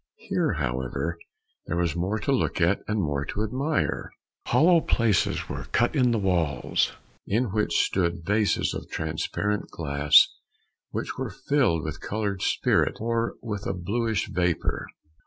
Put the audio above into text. Here, however, there was more to look at and to admire. Hollow places were cut in the walls, in which stood vases of transparent glass which were filled with colored spirit or with a bluish vapour.